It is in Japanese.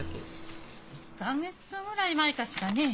１か月ぐらい前かしらね。